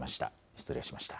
失礼しました。